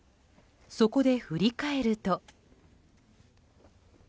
そこで振り返ると。